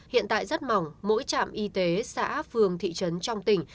hiện tại rất mỏng mỗi trạm y tế xã phường thị trấn trong tỉnh